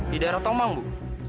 di daerah tomang bu